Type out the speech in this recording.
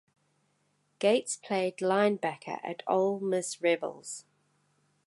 Gates played linebacker at Ole Miss Rebels.